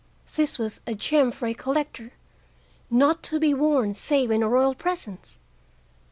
This was a gem for a collector, not to be worn save in a royal presence.